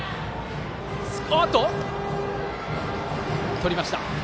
とりました。